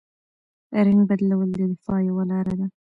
رنګ بدلول د دفاع یوه لاره ده